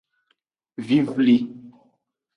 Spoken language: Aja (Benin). Vivli.